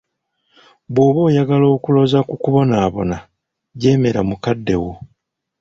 "Bw'oba oyagala okuloza ku kubonaabona, jeemera mukaddewo."